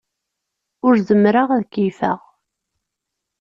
Ur zemmreɣ ad keyyfeɣ.